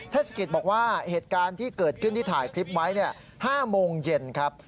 เทศกิจบอกว่าเหตุการณ์ที่เกิดขึ้นที่ถ่ายคลิปไว้๕โมงเย็นครับ